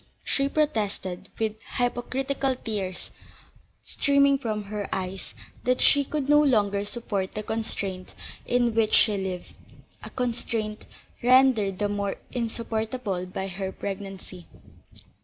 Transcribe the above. She protested, with hypocritical tears streaming from her eyes, that she could no longer support the constraint in which she lived; a constraint rendered the more insupportable by her pregnancy.